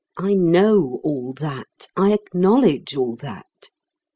I know all that; I acknowledge all that.